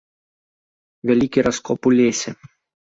Вялікі раскоп у лесе.